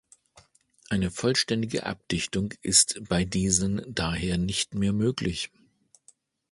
Eine vollständige Abdichtung ist bei diesen daher nicht mehr möglich.